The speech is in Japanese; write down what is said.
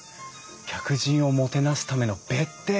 客人をもてなすための別邸！